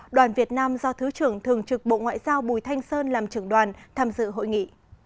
đoàn việt nam do thứ trưởng thường trực bộ ngoại giao bùi thanh sơn làm trưởng đoàn tham dự hội nghị